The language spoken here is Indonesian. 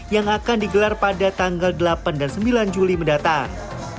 yang akan digelar pada tanggal delapan dan sembilan juli mendatang